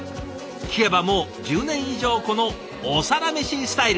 聞けばもう１０年以上このお皿メシスタイル。